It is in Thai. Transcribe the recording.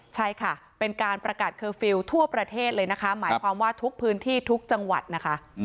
ใช่ค่ะเป็นการประกาศเคอร์ฟิลล์ทั่วประเทศเลยนะคะหมายความว่าทุกพื้นที่ทุกจังหวัดนะคะ